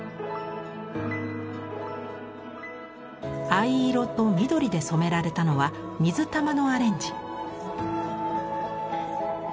藍色と緑で染められたのは水玉のアレンジ。